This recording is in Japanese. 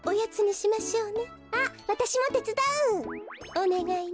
おねがいね。